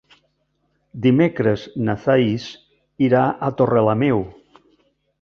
Dimecres na Thaís irà a Torrelameu.